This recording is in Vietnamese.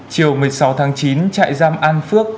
chiều một mươi sáu tháng chín trại giam an phước